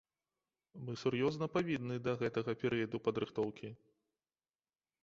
Мы сур'ёзна павінны да гэтага перыяду падрыхтоўкі.